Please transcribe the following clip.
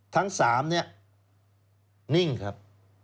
ทั้ง๓เนี่ยนิ่งครับ